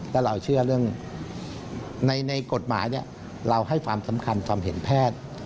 แล้วเราเชื่อเรื่องในกฎหมายเราให้ความสำคัญความเห็นแพทย์